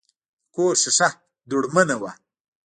د کور شیشه دوړمنه وه.